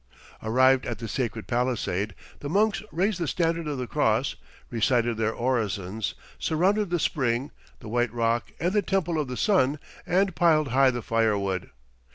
Arrived at the sacred palisade, the monks raised the standard of the cross, recited their orisons, surrounded the spring, the white rock and the Temple of the Sun, and piled high the firewood.